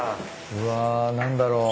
うわ何だろう？